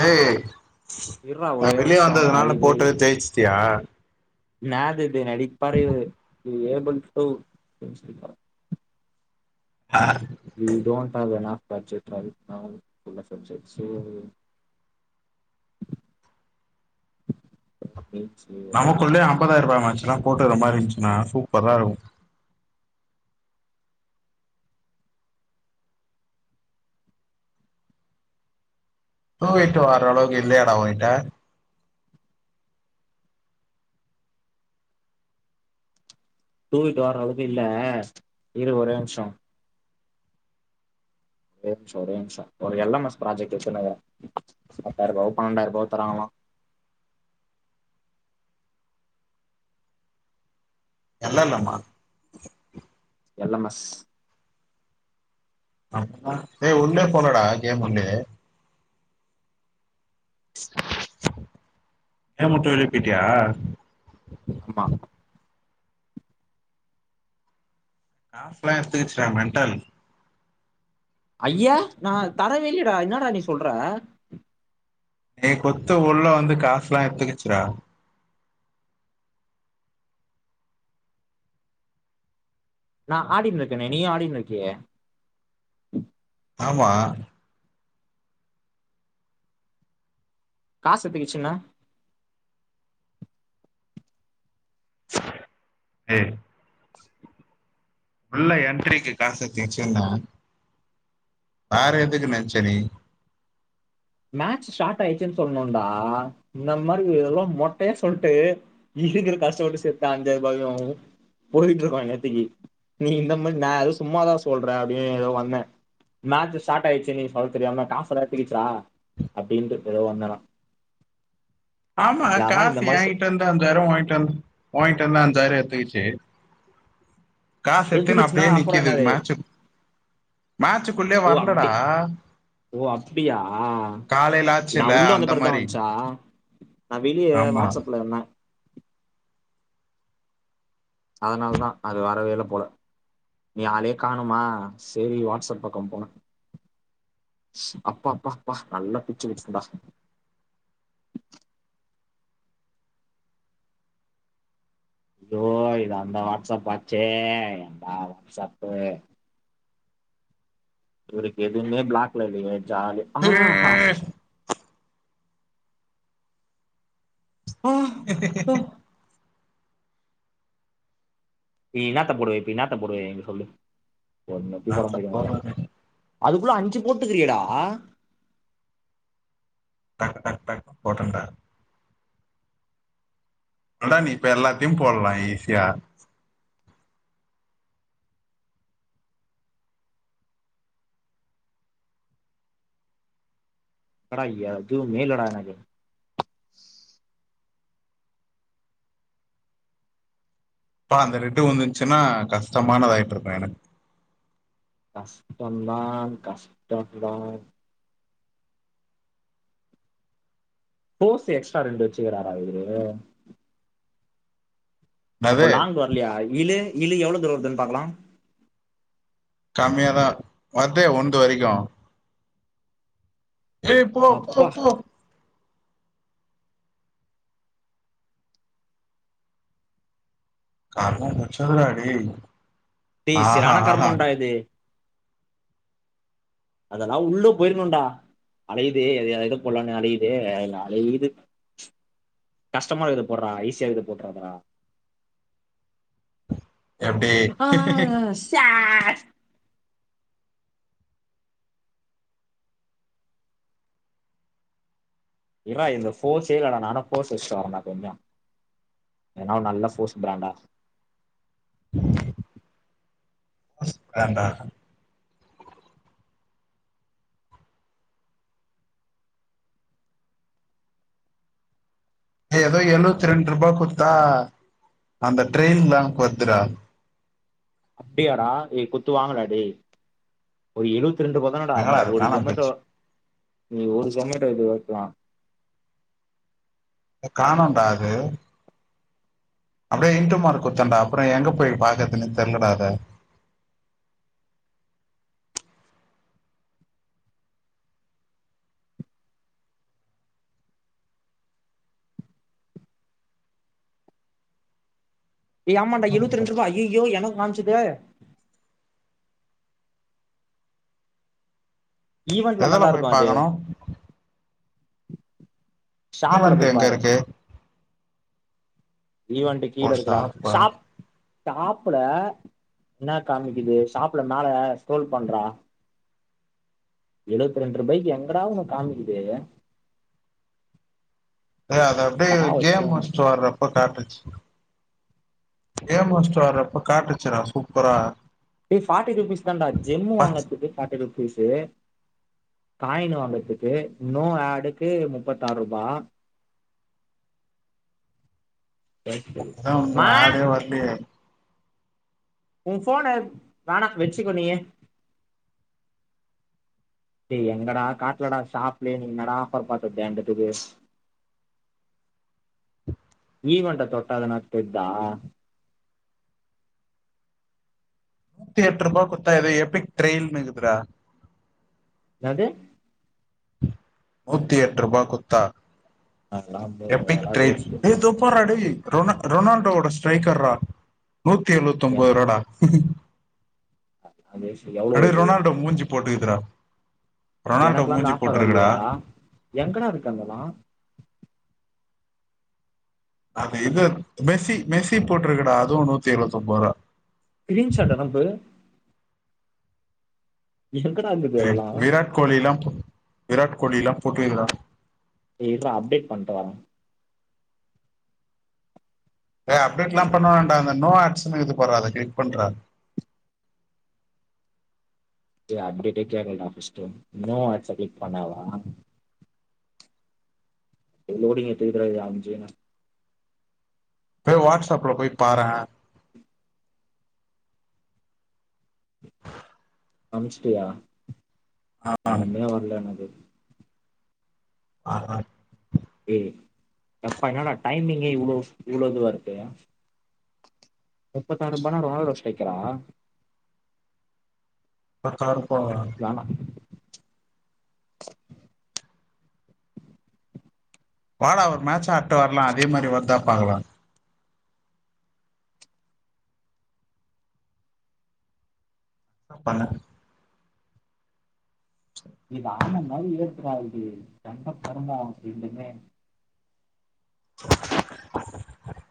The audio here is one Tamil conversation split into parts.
ஹேய் இர்றா நா ஒரே வெளிய நிமிஷோ ஐ வந்ததுனால போட்டத தேச்ட்டியா னாது து அடிப்படை வீ ஏபில் டு தொம்சிகா ஆஹ் வீ டோண்ட் அவர் நா பட்ச்செபல் now full of subject so சேரி சேரி நமக்குள்ளே அம்பதாயிரூவா மன்ச்லா போட்டுற மாரி இருந்துச்சுனா சூப்பராருக்கு தூகிட்டு வர்றளவுக்கு இல்லையாடா உங்கிட்ட தூக்கிட்டு வர்றளவுக்கு இல்ல இரு ஒரே நிம்ஷோ ஒரு நிம்ஷோ ஒரே நிமிஷோ ஒரு எல் எம் எஸ் ப்ராஜெக்ட் வைச்ருந்தாங்க பத்தாயிர ரூவாவோ பண்ணெண்டாயிர ரூபாவோ தராங்களா எல் எல் எம் ஆ எல் எம் எஸ் அப்பா டே உள்யே போலடா கேம் உள்யே ஏ முட்டு வலி கேட்டியா ஆமா ஆஃப்லா எத்துச்சுடா மெண்டல் ஐய்யே நா தரவேல்லியடா என்னாடா நீ சொல்ற நீ குத்த உள்ள வந்து காசுல்லா எத்துக்கிச்சுடா நா ஆடின்னு இருக்கேனே நீயு ஆடினு இருக்கியே ஆமா காசு எத்துக்கிச்சுன ஹே உள்ள என்ட்ரிக்கு காசு எத்துக்குச்சின வேற எதுக்கு நென்ச்ச நீ மேட்ச் ஸ்டார்ட் ஆயிச்சுனு சொல்ணோடா இந்த மாரி எவ்ளோ மொட்டையா சொல்ட்டு இதுக்குனு கஷ்டப்பட்டு சேத்த அஞ்சாயிரபாயு போயிட்டு இருக்கோ இன்னேத்திக்கி நீ இந்த மாரி நா எது சும்மாதா சொல்ற அப்டீனு எதோ வந்தே மேச்சு ஸ்டாட் ஆயிச்சுனு நீ சொல்ல தெரியாம காசெலா எத்துக்கிச்சா அப்டீன்ட்டு எதோ வந்தே நா ஆமா இந்த காசு மாதிரி ஏங்கிட்ட இருந்து அஞ்சாயிரோ ஓங்கிட்டு இருந்து ஓங்கிட்டருந்து அஞ்சாயிரோ எடுத்துக்கிச்சு காசெத்துக்குனு எதுக்குச்சுன்னா அப்டியே அப்புறம் நிக்குது என்னது மேச்சு மேச்சுக்குள்ளயே ஓ வர்லடா அப்படி ஓ அப்டியா காலையில நா ஆச்சுல்ல உள்ள வந்து அந்த பெறகு மாரி வந்ச்சா நா வெளியே ஆமா வாட்ஸப்ல இருந்தே அதனால தா அது வரவே இல்ல போல நீ ஆளயே காணுமா செரி வாட்ஸப் பக்கோ போணே அப்பா அப்பா அப்பா நல்ல பிச்சு விட்டேன்டா இதோ இது அந்த வாட்ஸப் ஆச்சே ஏன்டா வாட்ஸப்பு இவருக்கு எதுமே பிளாக்ல இல்லயே ஜாலியா ஆஹா ஆ ஓ பி இன்னாத்த போடுவ இப்ப இன்னாத்த போடுவ எங்க சொல்லு ஒன்னத்தயு போட முடியுல உன்னால டக்கு அதுக்குள்ள அஞ்சு போட்டு க்ரீயேடா டக் டக் டக் போட்டேண்டா அடா நீ இப்ப எல்லாத்தியு போடலா ஈஸியா என்னடா எதுவுமே இல்லடா எனக்கு அப்பா அந்த ரெட்டு ஊந்துன்ச்சின்னா கஷ்டமானதாயுட்டுருக்கோ எனக்கு கஷ்டம் தான் கஷ்டம் தான் ஃபோர்ஸு எக்ஸ்ட்ரா ரெண்டு வெச்சுக்கிறாரா இவரு அப்போ என்னது லாங் வர்லயா இலு இலு எவ்ளோ தூரோ வருதுனு பாக்கலா கம்மியா தா வர்தே உன்து வரிக்கோ ஏ போ போ அப்பா போ கருமோ புச்சதுடா டேய் டேய் ஆஹா செரியான ஆஹா கர்மோண்டா இது அதெல்லா உள்ள போயிருக்கணுடா அலையுதே அது எ எத போல்லான்னு அலையுதே அ அலையுது கஸ்டமா இருக்குறத போட்றா ஈஸியா இருக்கறத போட்றாதடா எப்டி ஆ ஸாட் இர்றா இந்த ஃபோர்ஸே இல்லடா நானு ஃபோர்ஸ் வெச்சுட்டு வரேன்டா கொஞ்சோ எதனா நல்லா ஃபோர்ஸ் பிராண்டா ஃபோர்ஸ் பிராண்டா எதோ எழுவத்தி ரெண்ட்ருபா குத்தா அந்த ட்ரெய்ன் பேங்க் வர்த்துடா அப்டியாடா ஏ குத்து வாங்குடா டேய் ஒரு எழுவத்ரெண்ட்ருபா எத்தனடா நீ எங்கடா அது ஒரு காணாம ஜொமேட்டோ போச்சு நீ ஒரு ஜொமேட்டோ இது வெக்கலா இப்ப காணோன்டா அது அப்புடியே இன்டு மார்க்கு குத்தேண்டா அப்புறோ எங்க போய் பாக்குறதுனு தெர்ல டா அத ஏய் ஆமாண்டா எழுபத்ரெண்ட்ருபா அய்யயோ எனக்கு காம்ச்சுதே ஈவென்ட்லா எதுல தாண்டா போய் இருக்கோ அது பாக்கணு ஷாப்ல ஈவன்ட்டு போய் எங்க பாரு இருக்கு ஈவன்ட்டு கீழ ஓ இருக்குடா ஸ்டாப்பா ஷாப் ஷாப்புல இன்னா காமிக்குது ஷாப்புல மேல ஸ்க்ரோல் பண்றா எழுவத்ரெண்ட்ருபாய்க்கு எங்கடா உனக்கு காமிக்குது டேய் அத அப்டியே கேம் சாவடிச்சிருவே வெச்சிட்டு வர்றப்ப காட்டுச்சு கேம் முச்ட்டு வர்றப்ப காட்டுச்சு டா சூப்பரா டேய் ஃபார்ட்டி ருபீஸ்தான்டா ஜெம்மு அதா வாங்குறதுக்கு ஃபார்ட்டி ருபீ பீஸு காயின் வாங்கறதுக்கு நோ ஆடுக்கு முப்பத்தாறுபா அதா உங்க மா ஆடே வர்லயே ஊ ஃபோனு வேணா வெச்சுக்கோ நீயே டேய் எங்கடா காட்டுலடா ஷாப்லயே நீ இன்னடா ஆஃபர் பாத்த தேண்டத்துக்கு ஈவன்ட்ட தொட்டா எதனா தெர்தா நூத்தியெட்ருபா குத்தா எதோ எப்பி்க் ட்ரெய்ல்னு இக்குதுடா இன்னாது நூத்தியெட்ருபா குத்தா அதலாம் எப்பிக் ட்ரெய்டு டேய் இதோ பார்ரா டேய் ரொனா ரொனால்டோவோட ஸ்ட்ரைக்கர்றா நூத்தி எ எழுவத்தொம்போதுருபா டா அது வேஸ்ட்டு எவ்ளோ அப்டியே இது ரொனால்டோ மூஞ்சி போட்டுக்குதுறா ரொனால்டோ எனக்குலா அந்த மூஞ்சி ஆஃபர் போட்ருக்குடா வரலையேடா எங்கடா இருக்கு அதெல்லா அது இது மெஸ்ஸி மெஸ்ஸி போட்டருக்கடா அதுவு நூத்தி எழுவத்தொன்பதுருபா ஸ்கிரீன் ஷாட் அனுப்பு எங்கடா இர்ந்துது டேய் விராட் கோலிலா போ விராட் கோலிலா போட்ருக்குடா டேய் இர்றா அப்டேட் பண்ட்டு வர்ற டேய் அப்டேட்லா பண்ண வேண்டா அந்த நோ ஆக்ஸுனு இருக்குது பார்றா அத க்ளிக் பண்றா டேய் அப்டேட்டே கேக்கலடா ஃபர்ஸ்ட்டு ஒன் நோ ஆக்ஸ க்ளிக் பண்ணவா டேய் லோடிங் எத்னி பரை எம் ஜீனு போய் வாட்ஸப்ல போய் பாறே அம்ஸ்ட்டியா ஆ, ரெண்டுமே வரல எனக்கு ஆ ஹா ஏ யப்பா என்னடா டைமிங்கே இவ்ளோ இவ்ளோ இதுவா இருக்கு முப்பத்தாறு ரூபானா ரொனல் வருஷ் டைக்கடா பத்தாருப்பா வேணா வாடா ஒரு மேட்ச் ஆடிட்டு வரலா அதே மாரி வருதா பாகலா னா பண்ணு இத ஆம மாரி எடுக்காறுது தென்ட கருமோ ரெண்டுமே [unintelligible]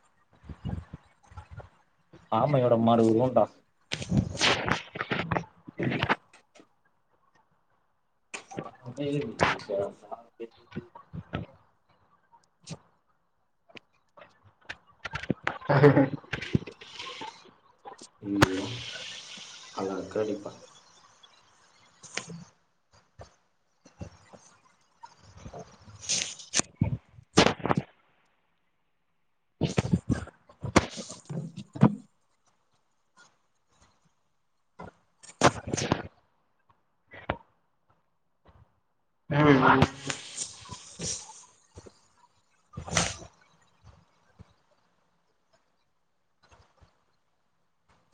ஆமையோட மறு உருவோ டா [unintelligible] தே்யூ [unintelligible] அமையிருலுசா லுசா ஹ [unintelligible] அய்யயோ அழகா அடிப்பா கேட்கவில்லை ம்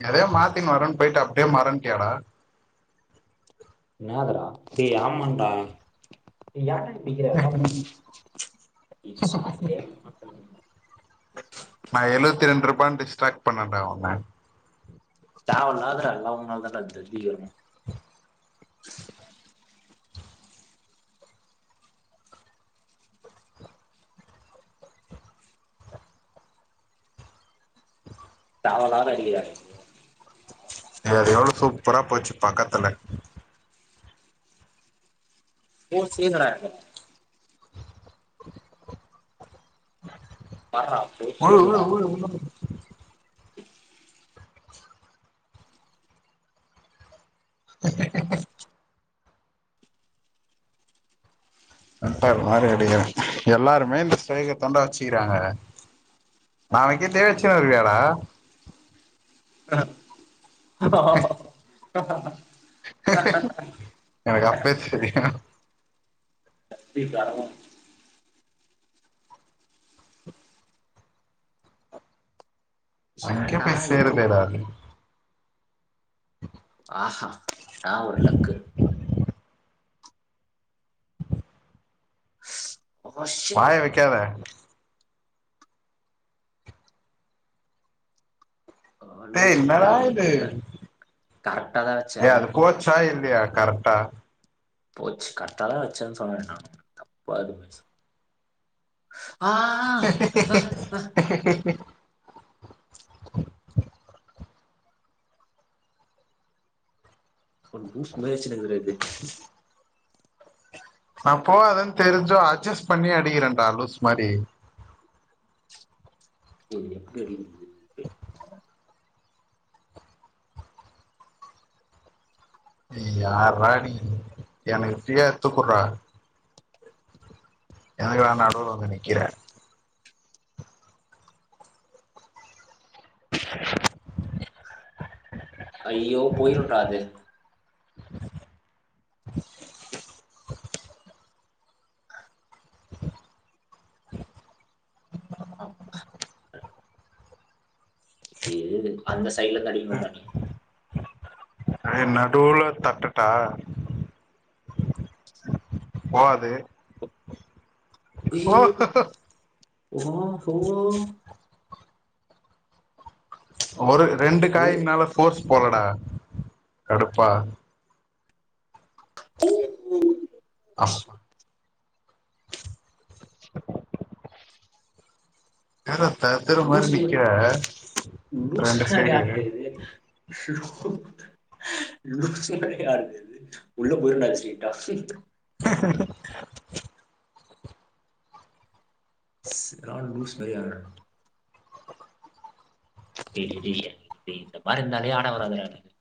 எதயோ மாத்தினு வரேனு போயிட்டு அப்டியே மறன்டியாடா இன்னாதுடா டேய் ஆமாண்டா டே ஏன்டா சீக்கிரமா போ யே சாட்டே மாட்ட முடி நா எழுவத்தி ரெண்டுரூபானு டிஸ்ட்ராக்ட் பண்ணேடா அவன தேவயில்லாத எல்லா ஒன்னால தா டா தத்தி ம் தேவயில்லாத நடிகரா நீ இங்கியாரு எவ்ளோ சூப்பரா போச்சு பக்கத்துல [unintelligible] பார்ரா [unintelligible] மென்டல் மாரி அடிக்கிறாங்க எல்லாருமே இந்த சைக தான்டா வச்சிக்கிறாங்க நாளைக்கே தேவ அடிச்சினு வருவியாடா அ எனக்கு அப்யே தெரியு கட்டி தரணு அன்னிக்கே போய் இவ்ளோ சேருதேடா அது ஆஹா நா ஒரு லக்கு ஓ ஷிட் வாய வெக்காத டேய் லூஸ் மாதிரி என்னடா அடிக்கிறேன்னு இது தெரியல கரெக்டா தான் ஏய் வச்சேன் அது கோச்சா இல்லையா கரெக்டா போச்சு கர்ட்டாதா வச்சேன் சொன்னே நானு தப்பா எதுமே சு ஆ ஆ ஹ ஹ லுசு மாரி வெச்சினுருக்குராரு பாரு நா போவாதுனு தெரிஞ்சும் அட்ஜஸ்ட் பண்ணி அடிக்கிறேன்டா லூஸ் மாரி எப்டி அடிக்கரது [unintelligible] நீ யார்ரா நீ எனக்கு ஃப்ரீயா எடுத்துகுட்றா எதுக்குடா நடுல வந்து நிக்கிற ஐயோ போயிரும்டா அது ஓ எழுது அந்த சைல தனி ரூம்டா நீ எ நடூல தட்டட்டா போவாது ஓ ஐயோ ஓ ஹோ ஒரு ரெண்டு ஓ காயின்னால ஃபோர்ஸ் போலடா கடுப்பா உம் உம் ஆமப்பா [unintelligible] லுசு லுசா நிக்கிற ரெண்டு [unintelligible] சைடு லு.... லுக்ஸ்னா யார் தெர்து உள்ள போயிருன்டாச்சி டஃப்பின்த் ஸ் சரியான லூசு மாரி ஆடுன டேய் டேய் டேய் என் டேய் இந்த மாரி இருந்தாலே ஆட வராது டா எனக்கு